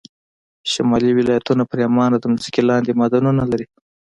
شمالي ولایتونه پرېمانه د ځمکې لاندې معدنونه لري